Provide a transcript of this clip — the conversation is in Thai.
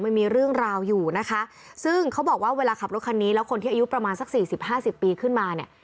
มันมีเรื่องราวอยู่นะคะซึ่งเขาบอกว่าเวลาขับรถคันนี้แล้วคนที่อายุประมาณสักสี่สิบห้าสิบปีขึ้นมาเนี่ย